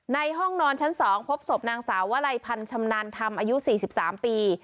ห้องนอนชั้น๒พบศพนางสาววลัยพันธ์ชำนาญธรรมอายุ๔๓ปี